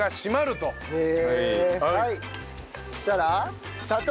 そしたら砂糖。